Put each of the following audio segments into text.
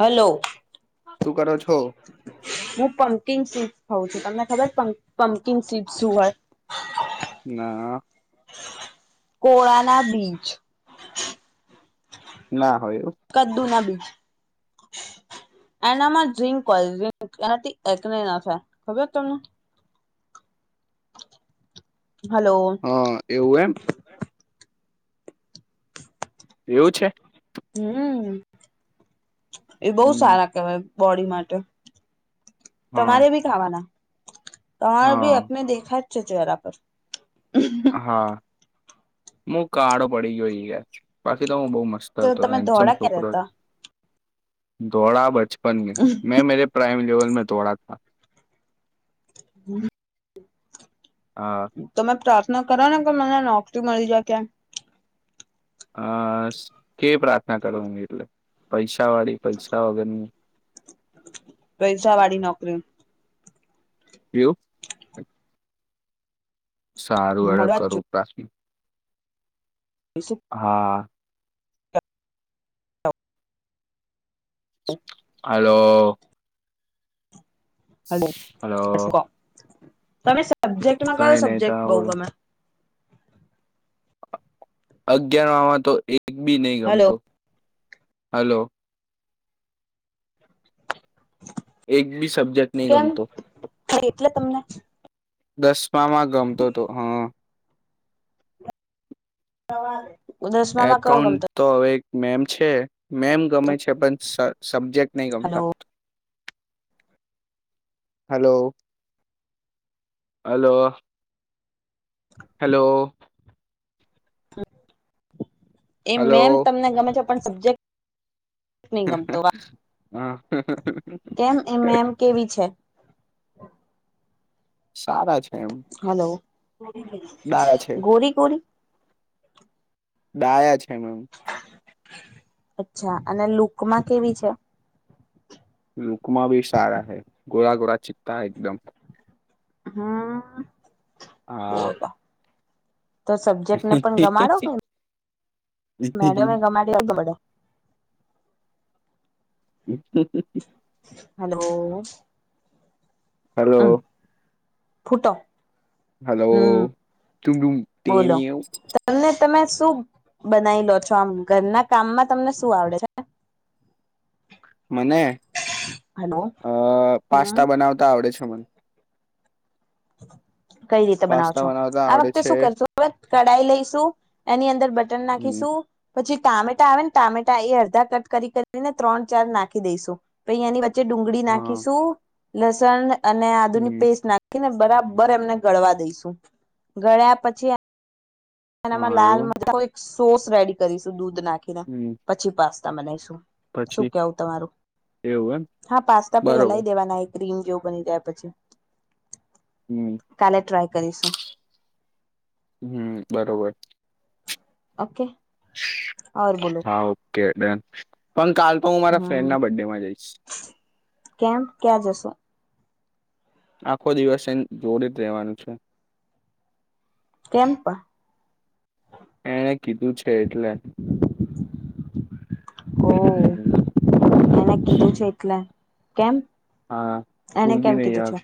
Hello શું કરો છો? હું પંકિંગ સીડ ખાઉ છું, તમને ખબર પંકિંગ સીડ શું હોય? ના. કોળાના બીચ. ના હોય એવુ. કદ્દુ ના બીજ. એનામાં ઝીંક હોય ઝીંક એનાથી એકને ના થાય ખબર છે તમને? હલો. હા એવું એમ? એવું છે? હમ્મ એ બહુ હમ સારા કહેવાય બોડી માટે. હા તમારે ભી ખાવાના તમારે ભી હા એકને દેખા જ છે ચહેરા પર. હા હું કાળો પડી ગયો યાર બાકી તો હું બહુ મસ્ત તો હતો તમે હૅન્ડસમ ધોળા ક્યારે છોકરો હતા ધોળા બચપન મે, મેં મેરે પ્રાઈમ લેવલ મે ધોળા થા. હમ્મ હા તમે પ્રાર્થના કરો ને કે મને નોકરી મળી જાય કેમ. અ કેવી પ્રાર્થના કરવાની એટલે પૈસા વાળી? પૈસા વગરની? પૈસા વાળી નોકરી. એવું? સારું હેડો મળવા જ કરું પ્રા [unintelligible] હા. હલો. હલો હલો તમે શુ કો,? તમે સબ્જેક્ટમાં કઈ કયો નહી ત સબ્જેક્ટ બઉ બોલો ગમે? અગિયાર વામાં તો એક બી નહી હલો ગમતો હલો એક બી સબ્જેક્ટ નહી ગમતો હા એટલે તમને દસમામાં ગમતો તો હા સવારે એકાઉન્ટ તો હવે એક મેમ છે મેમ હતો ગમે છે પણ સ સબ્જેક્ટ નહી હલો ગમતા હલો હલો હલો એ હલો મેમ તમને ગમે છે પણ સબ્જેક્ટ ની ગમતો વા હા કેમ એ મેંમ કેવી છે સારા છે એમ હલો ડાયા છે ગોરી ગોરી ડાયા છે મેમ અચ્છા અને લુકમાં કેવી છે લુકમા ભી સારા હૈ ગોરા ગોરા ચિતા એકદમ હા હા તો સબ્જેક્ટ ને પણ ગમાડો કે મેડમે ગમાડી [inaudible] હલો હમ્મ હલો ફુટો હલો તું તું બોલો તેનીવ તમને તમે શું બનાવી લો છો આમ ઘરના કામમાં તમને શું આવડે છે મને હલો અ હમ પાસ્તા બનાવતા આવડે છે મને કઈ રીતે બનાવ પાસ્તા છો બનાવતા આ આવડે વખતે છે શું કરશું કઢાઈ લઈશું એની અંદર બટન હમ નાખીશું પછી ટામેટા આવે ને ટામેટા એ અડધા કટ કરી કરીને ત્રણ ચાર નાખી દઈસું પચ એની વચ્ચે વચ્ચે ડુંગળી હા નાખીશું લસણ અને આદુ ની હમ પેસ્ટ નાખી ને બરાબર એમને ગળવા દઈશું ગળ્યા પછી એનામાં હા લાલ એવું મ એક સોસ રેડી કરીશું દૂધ નાખીને હમ પછી પાસ્તા બનાવીશું પછી શું કેવું તમારું એવું એમ હા પાસ્તા પ બરોબર હેલાય દેવાના એક ક્રીમ જેવ બની જાય પછી [inaudible] કાલે ટ્રાય કરીશું હમ બરોબર ઓકે બોલો હા ઓકે ડન પણ કાલ પણ હું મારા ફ્રેન્ડ હમ ના બર્ડે માં જઈશ કેમ ક્યાં જશો આખો દિવસ એ જોડી જ રહેવાનું છે. કેમ્પ એણે કીધું છે, એટલે ઓ હમ એને કીધું છે, એટલે કેમ હા એને કોઈ બી કેમ નહીં કીધું યાર છે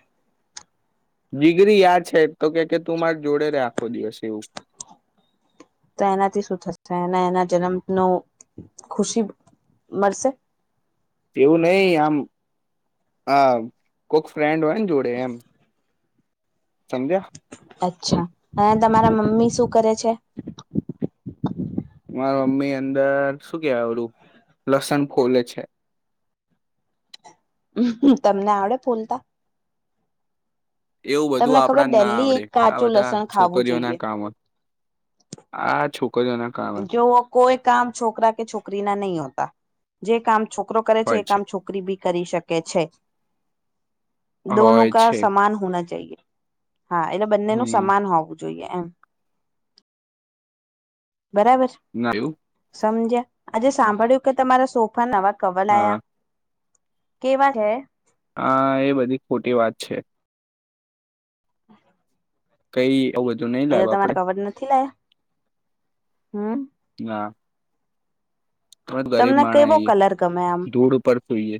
ડિગ્રી યાદ છે, એ તો કે કે તું મારે જોડે રે આખો દિવસ એવું તો એનાથી શું થશે એને એના જન્મ ન ખુશી મળશે એવું નહી આમ હ કોક ફ્રેન્ડ હોય ને જોડે એમ સંધ્યા અચ્છા અને તમારા મમ્મી શું કરે છે. મારા મમ્મી અંદર શું કેવાય આવડું લસણ ફોલે છે. હ તમને આવડે ફોલતા એવું બધું તમને ખબર આપણા ના ડેલી આવડે એક આ કાચું બધા લસણ ખાવું છોકરીઓના જોઈએ કામો આ છોકજ ના જો કોઈ કામ છોકરા કે છોકરી ના નહીં હોતા જે કામ છોકરો કરે છે, એ કામ છોકરી નોકરી ભી કરી શકે છે, દોનો હોય કા છે સમાન હોના ચાએ હા એટલે બંનેનું હમ સમાન હોવું જોઈએ એમ બરાબર ના એું સમજ્યા આજે સાંભળ્યું કે તમારા સોફા નવા કવલ હા આયા કેવા છે. હા એ બધી ખોટી વાત છે. [inaudible] કઈ કવું હતું ન એ તો તમારે ખબર નથી લ્યા હમ ના તમે ગરીબ તમને માણ કેવો આવીએ કલર ગમે આમ ધૂળ ઉપર સુઈએ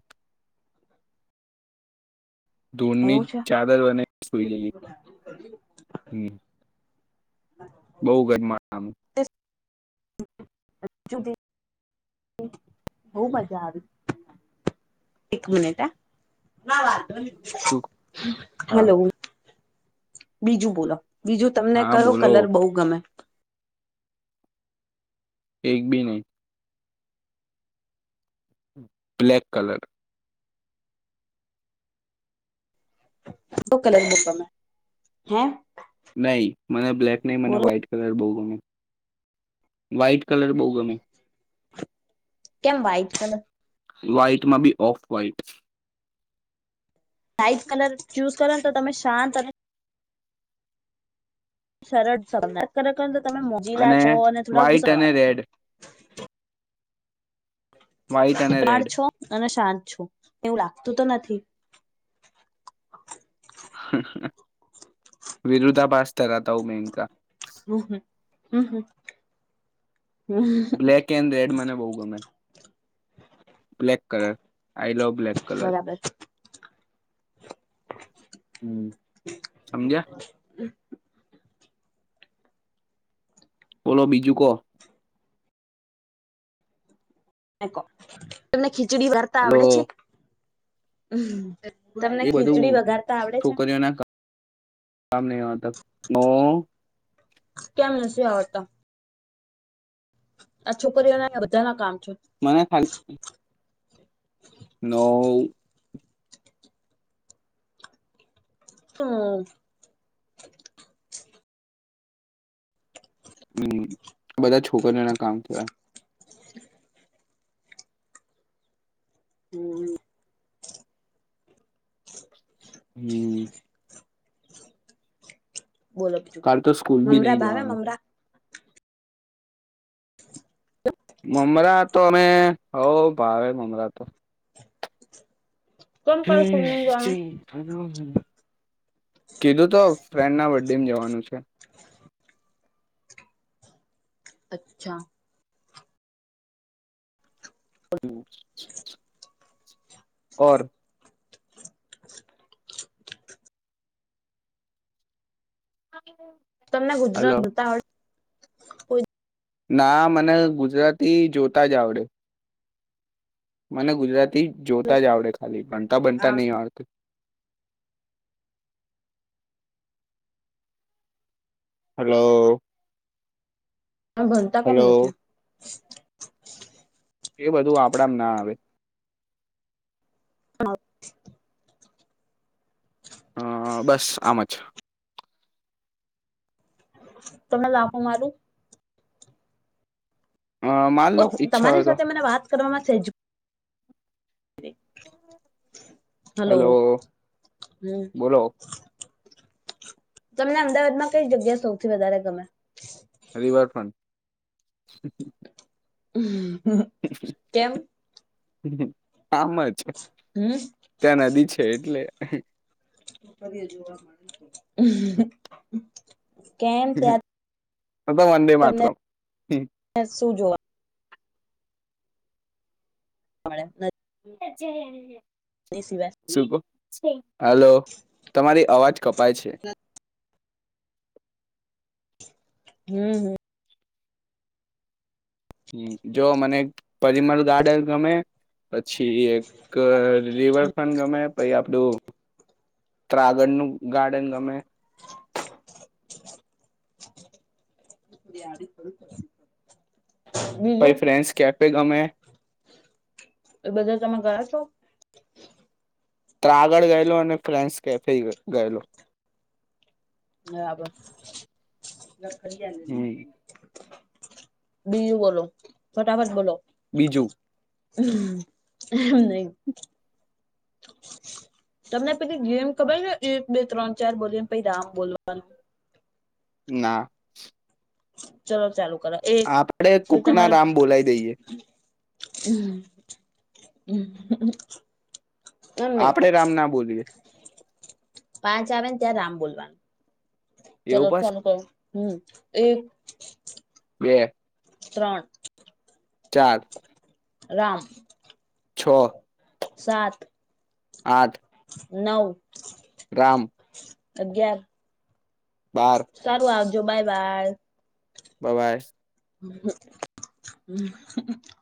દોની એવું છે ચાદર બનાની સોઈ ગ હમ હા બઉુ ગરમામ જુ બહ મજા આવી એક મિનિટ હ વા હા હલો બીજું બોલો બીજું તમને હા કરો બોલો કલર બહુ ગમે એક બી નહી બ્લેક કલર બ કલર બૂકમે હે નહી મને બ્લેક નહી મને બોલો વ્હાઈટ કલર બહુ ગમે વ્હાઈટ કલર બહુ ગમે કેમ વ્હાઈટ કલર વ્હાઈટ માં બી off white light colour choose કરો ને તો તમે શાંત અને સરળ સજ કરે તમે મોજીલા છો અને થોડા વ્હાઈટ અને ગુસ્સાવાળા રેડ છો વ્હાઈટ અને રેડ [inaudible] છો અને શાંત છો એવું લાગતું તો નથી. વિરુદ્ધા પાાસ ધાતા હું મેનકા હમ હમ હમ હમ બ્લેક એન્ડ રેડ મને બહ ગમે black colour I love black colour બરાબર હમ સમજ્યા બોલો બીજું કો? તમો કો? તમને ખીચડી વારતા હલો આવડે છે? તમને એ ખીચડી બધું વઘારતા આવડે છે? છોકરીઓના કામ નં હો ત ઓ કેમ નથી આવડતા? આ છોકરીઓના બધા ના કામ છો મને ખાલી નવ હમ હમ બધા છોકરીઓના કામ થયા હમ હમ બોલો બીજું કાલ તો સ્કૂલ બી મમરા નહી ભાવે જવાનું મમરા મમરા તો અમે હવ ભાવે મમરા તો કેમ કર હમ સ્કૂલની શ જવાનું [inaudible] કીધું તો ફ્રેન્ડ ના બડે મી જવાનું છે અચ્છા હમ ઓર હા [inaudible] તમને ગુજરાત [inaudible] જોતા હોય ના મને ગુજરાતી જોતા જ આવડે મને ગુજરાતી જોતા જ આવડે ખાલી ભનતા બનતા નહી આવડતું હલો! ભણતા કેમ હલો નથી? એ બધું આપડામ ના આવે. હ [unintelligible] અ બસ આમ જ તને લાફો મારું? માન ઓ લો ઈચ્છા તમારી હોય તો સાથે મને વાત કરવામાં સેજ હલો હેલો હમ બોલો? તમને અમદાવાદમાં કઈ જગ્યા સૌથી વધારે ગમે? રિવરફ્રન્ટ તેમ? આમ જ હમ ત્યાં નદી છે એટલે જોવા કેમ ત્યાં? એ તો વંદે માતરમ હ શું જોવા? હ [inaudible] જ એ? ની સિ વાયનુ શું કહો, હલો, તમારી અવાજ કપાય છે. હમ્મ હમ્મ હ જો મને એક પરિમળ ગાર્ડન ગમે. પછી એક રિવરફ્રન્ટ ગમે, પછી આપડું ત્રાગડ નું ગાર્ડન ગમે. [inaudible] [inaudible] પછ બીજું, ફ્રેન્સ કેફે ગમે એ બધા તમે ગયા છો? ત્રાગડ ગયેલો, અને ફ્રેન્સ કેફે ગયેલો. બરાબર હમ બીજું બોલો, ફટાફટ બોલો. બીજું [unintelligible] નહી તમને પેલી ગેમ ખબર છે? એક બે ત્રણ ચાર બોલીને પછી રામ બોલવાનું. ના ચલો ચાલુ કરો એક આપડે કુક ના તમારે રામ બોલાવી દઈએ [unintelligible] એમ નહી આપડે રામ ના બોલીએ પાંચ આવે ને ત્યાં રામ બોલવાનું. એવું ચાલો બસ ચાલુ કરો હમ્મ એક બે ત્રણ ચાર રામ છ સાત આઠ નવ રામ અગિયાર બાર સારું આવજો બાય બાય બબાઈ [unintelligible]